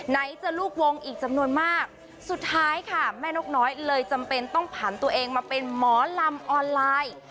ไหนจะลูกวงอีกจำนวนมากสุดท้ายค่ะแม่นกน้อยเลยจำเป็นต้องผ่านตัวเองมาเป็นหมอลำออนไลน์